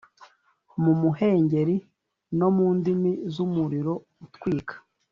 mu muhengeri no mu ndimi z’umuriro utwika.